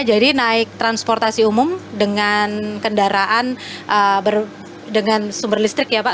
jadi naik transportasi umum dengan kendaraan dengan sumber listrik ya pak